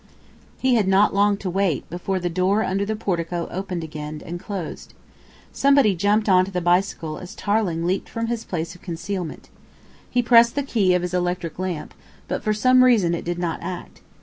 He had not long to wait before the door under the portico opened again and closed. Somebody jumped on to the bicycle as Tarling leaped from his place of concealment. He pressed the key of his electric lamp, but for some reason it did not act.